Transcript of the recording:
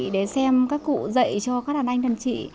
để xem các cụ dạy cho các đàn anh đàn chị